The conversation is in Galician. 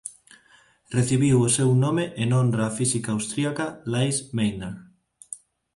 Recibiu o seu nome en honra a física austríaca Lise Meitner.